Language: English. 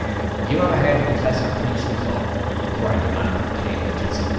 ''Ave you ever 'eard the Professor preach before?' inquired the man on the pail, addressing Bundy.